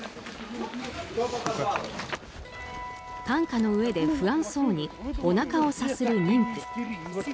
担架の上で不安そうにおなかをさする妊婦。